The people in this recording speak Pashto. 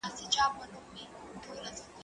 ايا ته مينه څرګندوې!.